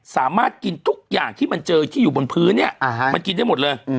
สามารถกินทุกอย่างที่มันเจอที่อยู่บนพื้นเนี่ยมันกินได้หมดเลย